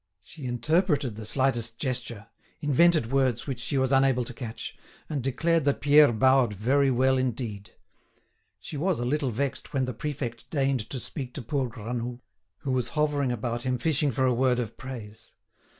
She interpreted the slightest gesture, invented words which she was unable to catch, and declared that Pierre bowed very well indeed. She was a little vexed when the prefect deigned to speak to poor Granoux, who was hovering about him fishing for a word of praise.